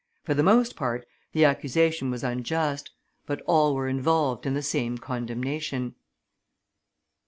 For the most part the accusation was unjust; but all were involved in the same condemnation.